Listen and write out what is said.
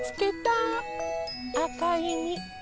あかいみ。